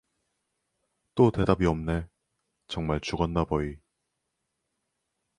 또 대답이 없네, 정말 죽었나버이.